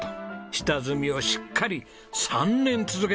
下積みをしっかり３年続けたんです。